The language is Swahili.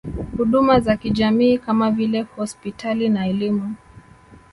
Huduma za kijamii kama vile hospitali na elimu